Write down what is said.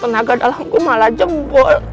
tenaga dalamku malah jempol